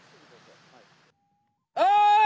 はい！